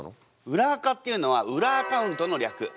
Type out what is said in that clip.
裏アカっていうのは裏アカウントの略。